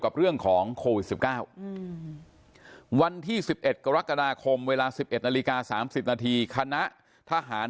กับเรื่องของโควิด๑๙วันที่๑๑กรกฎาคมเวลา๑๑นาฬิกา๓๐นาทีคณะทหาร